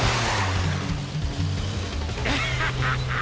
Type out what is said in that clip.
ハハハハ！